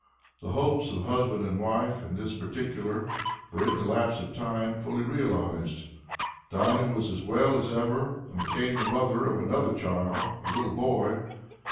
The hopes of husband and wife, in this particular, were, in the lapse of time, fully realized. Dinah was as well as ever, and became the mother of another child a little boy.